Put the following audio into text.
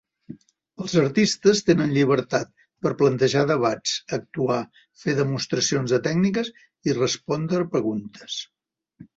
Els artistes tenen llibertat per plantejar debats, actuar, fer demostracions de tècniques i respondre preguntes.